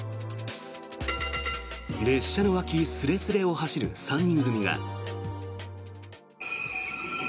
列車の脇すれすれを走る３人組が。